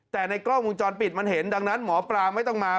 แต่ในกล้องวงจรปิดมันเห็นดังนั้นหมอปลาไม่ต้องมา